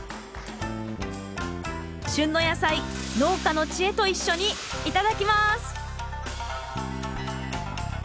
旬の野菜農家の知恵と一緒に頂きます！